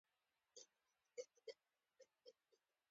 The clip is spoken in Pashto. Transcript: مځکه د ژويو د خوړو سرچینه ده.